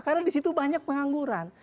karena disitu banyak pengangguran